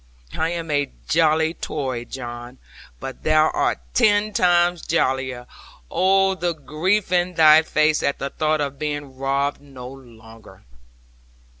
I am a jolly Tory, John, but thou art ten times jollier: oh! the grief in thy face at the thought of being robbed no longer!'